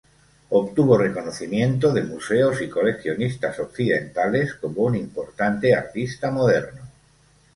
Obtuvo reconocimiento de museos y coleccionistas occidentales como un importante artista moderno.